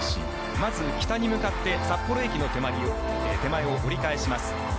まず北に向かって札幌駅の手前を折り返します。